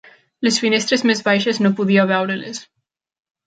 Les finestres més baixes no podia veure-les.